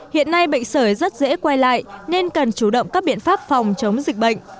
hiện nay bệnh sởi rất dễ quay lại nên cần chủ động các biện pháp phòng chống dịch bệnh